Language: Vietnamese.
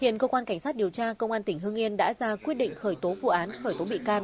hiện cơ quan cảnh sát điều tra công an tỉnh hương yên đã ra quyết định khởi tố vụ án khởi tố bị can